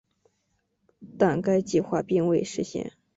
但该计划并未实现。